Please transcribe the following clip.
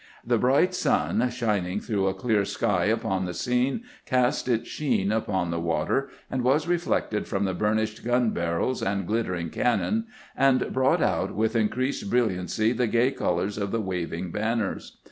The bright sun, shining through a clear sky upon the scene, cast its sheen upon the water, was reflected from the burnished gun barrels and glittering cannon, and brought out with increased brilliancy the gay colors of the waving banners.